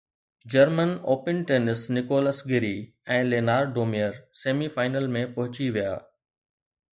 German open tennis Nicolas Jarry ۽ Leonardo Mayer semi final ۾ پهچي ويا